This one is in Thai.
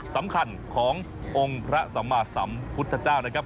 สำคัญขององค์พระสัมมาสัมพุทธเจ้านะครับ